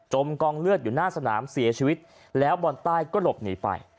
กองเลือดอยู่หน้าสนามเสียชีวิตแล้วบอลใต้ก็หลบหนีไป